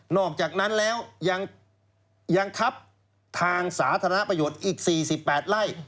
นอกจากนั้นแล้วยังยังทับทางสาธารณะประโยชน์อีกสี่สิบแปดไล่